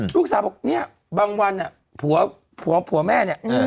ลูกสาวบอกบางวันน่ะผู้แม่เนี่ย